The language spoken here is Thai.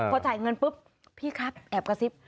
พอจ่ายเงินปุ๊บพี่ครับแอบกระซิบ